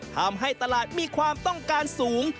ทำให้ตลาดมีความต้องการสูง